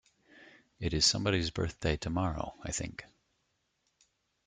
It is somebody's birthday tomorrow, I think.